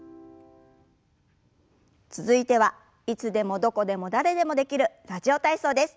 続いてはいつでもどこでも誰でもできる「ラジオ体操」です。